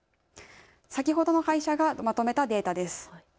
先ほどの会社がまとめたデータです。